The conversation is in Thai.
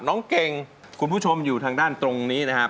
น้องเก่งคุณผู้ชมอยู่ทางด้านตรงนี้นะครับ